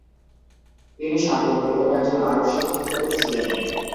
তিনি শান্তিনিকেতনে একজন আর্ট শিক্ষক হিসাবে ছিলেন।